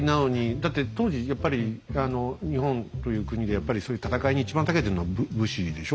だって当時やっぱり日本という国でやっぱりそういう戦いに一番たけてるのは武士でしょ？